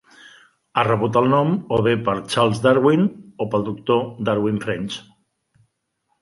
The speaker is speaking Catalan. Ha rebut el nom o bé per Charles Darwin o pel doctor Darwin French.